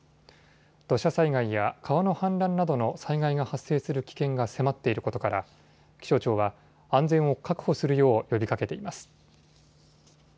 土砂災害や川の氾濫などの災害が発生する危険が迫っていることから気象庁は安全を確保するよう呼びかけています。